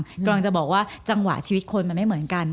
กำลังจะบอกว่าจังหวะชีวิตคนมันไม่เหมือนกัน